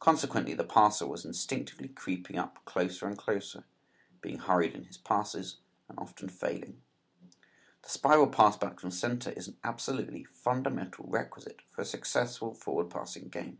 Consequently the passer was instinctively creeping up closer and closer, being hurried in his passes and often failing. The spiral pass back from center is an absolutely fundamental requisite for a successful forward passing game.